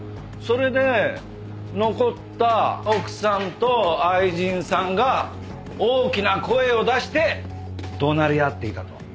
それで残った奥さんと愛人さんが大きな声を出して怒鳴り合っていたと。